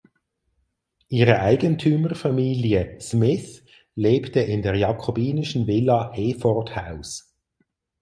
Ihre Eigentümerfamilie "Smith" lebte in der jakobinischen Villa Hayford House.